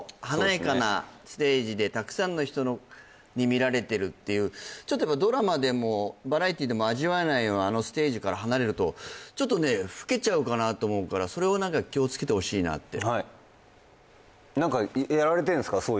華やかなステージでたくさんの人に見られてるっていうちょっとドラマでもバラエティーでも味わえないようなあのステージから離れるとちょっとね老けちゃうかなと思うからそれを何か気をつけてほしいなってはい何かやられてんですか？